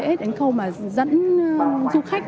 đến cái khâu mà dẫn du khách